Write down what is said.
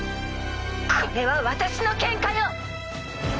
これは私のケンカよ！